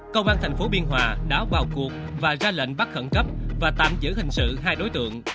công an tp biên hòa đã vào cuộc và ra lệnh bắt khẩn cấp và tạm giữ hình sự hai đối tượng